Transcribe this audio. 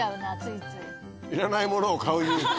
「いらないものを買う勇気」。